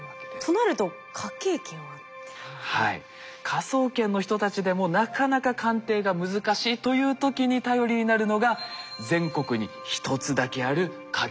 科捜研の人たちでもなかなか鑑定が難しいという時に頼りになるのが全国に１つだけある科警研なんです。